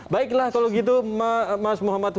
baiklah kalau gitu mas muhammad hussein sudah berbicara